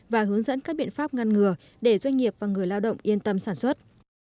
và hướng dẫn các biện pháp ngăn ngừa để doanh nghiệp và người lao động yên tâm sản xuất